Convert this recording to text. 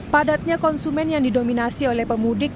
padatnya konsumen yang didominasi oleh pemudik